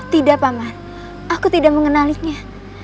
tidak pamar aku tidak mengenalinya